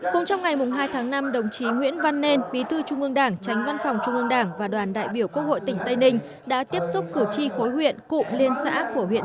cùng trong ngày hai tháng năm đồng chí nguyễn văn nên bí thư trung ương đảng tránh văn phòng trung ương đảng và đoàn đại biểu quốc hội tỉnh tây ninh đã tiếp xúc cử tri khối huyện